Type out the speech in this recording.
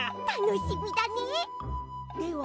たのしみだね！